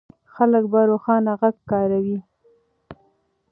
خلک به روښانه غږ کاروي.